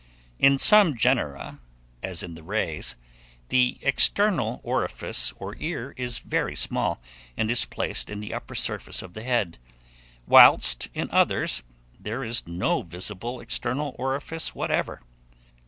In some genera, as in the rays, the external orifice or ear is very small, and is placed in the upper surface of the head; whilst in others there is no visible external orifice whatever.